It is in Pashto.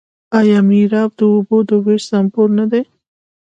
آیا میرآب د اوبو د ویش مسوول نه وي؟